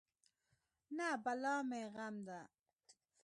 نه بلا مې غم ده.